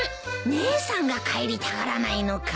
姉さんが帰りたがらないのか。